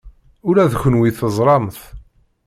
Ula d kenwi teẓram-t.